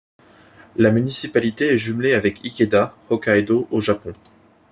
La municipalité est jumelée avec Ikeda, Hokkaido au Japon.